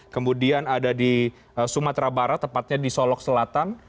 kemudian ada di sumatera barat tepatnya di solok selatan